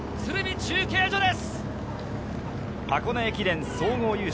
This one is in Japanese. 中継所です！